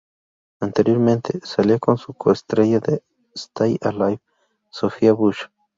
Anteriormente, salía con su coestrella de "Stay Alive", Sophia Bush.